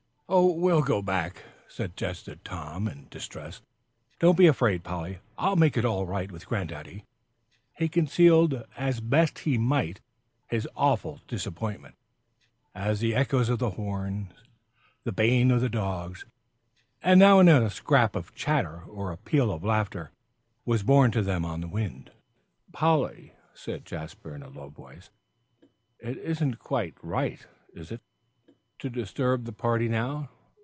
"We'll go back," suggested Tom, in distress; "don't be afraid, Polly, I'll make it all right with granddaddy." He concealed as best he might his awful disappointment as the echoes of the horn, the baying of the dogs, and now and then a scrap of chatter or a peal of laughter was borne to them on the wind. "Polly," said Jasper, in a low voice, "it isn't quite right, is it, to disturb the party now?